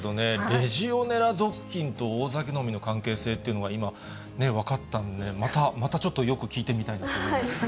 レジオネラ属菌と大酒飲みの関係性っていうのが、今、分かったので、またちょっとよく聞いてみたいと思いますけど。